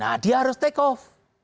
nah dia harus take off